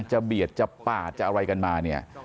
จะเบียดจะปาดจะอะไรกันมา